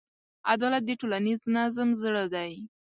عدالت د ټولنیز نظم زړه دی.